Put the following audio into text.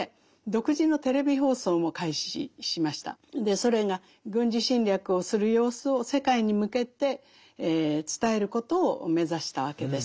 ソ連が軍事侵略をする様子を世界に向けて伝えることを目指したわけです。